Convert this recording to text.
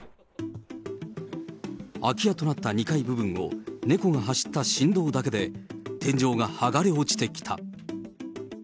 空き家となった２階部分を猫が走った振動だけで天井が剥がれ落ちてきた。